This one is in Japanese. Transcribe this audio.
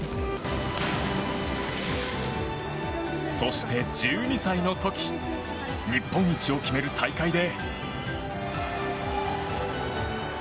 そして、１２歳の時日本一を決める大会で。